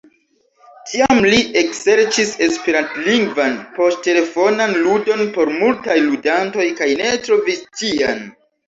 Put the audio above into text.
Tiam li ekserĉis esperantlingvan poŝtelefonan ludon por multaj ludantoj, kaj ne trovis tian.